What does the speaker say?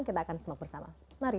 kita akan semak bersama mari